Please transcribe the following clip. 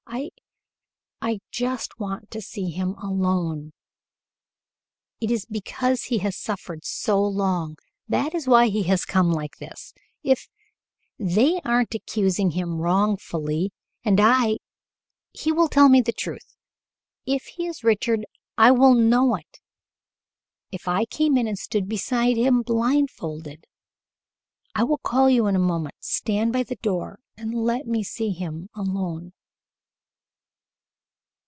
I I just want to see him alone. It is because he has suffered so long that is why he has come like this if they aren't accusing him wrongfully, and I he will tell me the truth. If he is Richard, I would know it if I came in and stood beside him blindfolded. I will call you in a moment. Stand by the door, and let me see him alone."